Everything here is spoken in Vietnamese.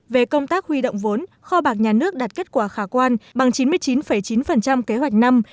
về công tác huy động vốn kho bạc nhà nước đạt kết quả khả quan bằng chín mươi chín chín kế hoạch năm